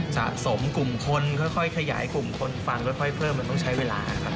สะสมกลุ่มคนค่อยขยายกลุ่มคนฟังค่อยเพิ่มมันต้องใช้เวลาครับ